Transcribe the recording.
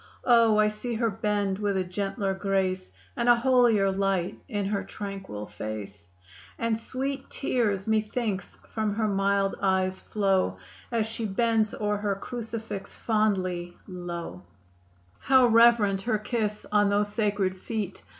O I see her bend with a gentler grace, And a holier light in her tranquil face, And sweet tears methinks from her mild eyes flow As she bends o'er her crucifix fondly, low! IV. How reverent her kiss on those sacred feet!